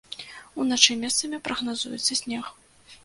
Уначы месцамі прагназуецца снег.